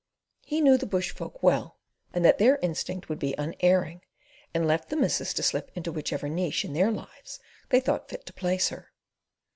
He knew the bush folk well, and that their instinct would be unerring, and left the missus to slip into whichever niche in their lives they thought fit to place her.